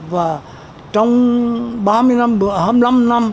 và trong hai mươi năm năm